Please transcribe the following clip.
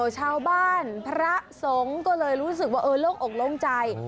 ชาวบ้านพระสงฆ์ก็เลยรู้สึกว่าเออโล่งอกโล่งใจ